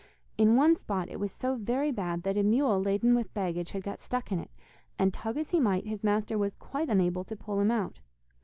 In one spot it was so very bad that a mule laden with baggage had got stuck in it, and tug as he might, his master was quite unable to pull him out.